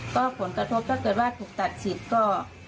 ก็ผลกระทบถ้าเกิดว่าถูกตัดสิทธิ์ก็